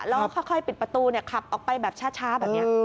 แล้วค่อยปิดประตูขับออกไปแบบช้าแบบนี้